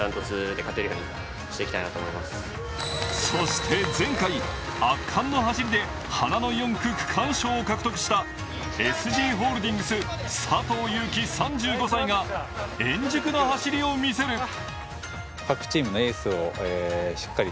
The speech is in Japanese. そして前回、圧巻の走りで花の４区区間賞を獲得したＳＧホールディングス佐藤悠基３５歳が円熟の走りを見せる！